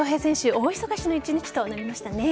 大忙しの１日となりましたね。